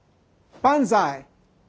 万歳！